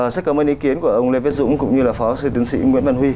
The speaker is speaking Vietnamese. rất cảm ơn ý kiến của ông lê viết dũng cũng như là phó sư tiến sĩ nguyễn văn huy